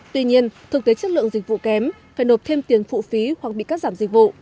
tuy nhiên thực tế chất lượng dịch vụ kém phải nộp thêm tiền phụ phí hoặc bị cắt giảm dịch vụ